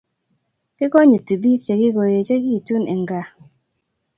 Kikonyitii biik Che kikoechekitu eng kaa